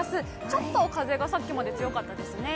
ちょっと風がさっきまで強かったですね。